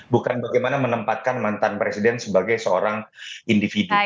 bukan bagaimana menempatkan mantan presiden sebagai seorang individu